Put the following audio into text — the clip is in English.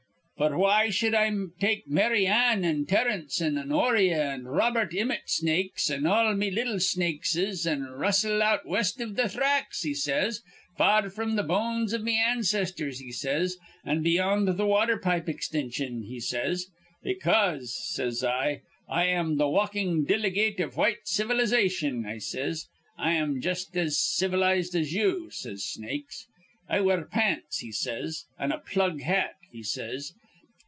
'F'r why should I take Mary Ann, an' Terence, an' Honoria, an' Robert Immitt Snakes, an' all me little Snakeses, an' rustle out west iv th' thracks,' he says, 'far fr'm th' bones iv me ancestors,' he says, 'an beyond th' water pipe extinsion,' he says. 'Because,' says I, 'I am th' walkin' dilygate iv white civilization,' I says. 'I'm jus' as civilized as you,' says Snakes. 'I wear pants,' he says, 'an' a plug hat,' he says.